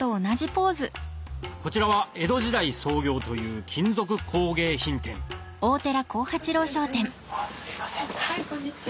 こちらは江戸時代創業という金属工芸品店いらっしゃいませこんにちは。